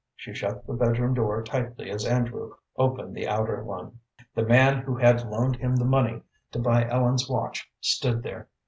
She shut the bedroom door tightly as Andrew opened the outer one. The man who had loaned him the money to buy Ellen's watch stood there.